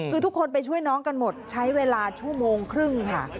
คือทุกคนไปช่วยน้องกันหมดใช้เวลาชั่วโมงครึ่งค่ะ